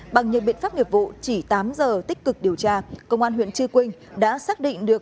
bằng những biện pháp nghiệp vụ chỉ tám giờ tích cực điều tra công an huyện chư quynh đã xác định được